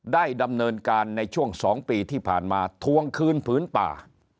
ได้ดำเนินการในช่วง๒ปีที่ผ่านมาทวงคืนผืนป่า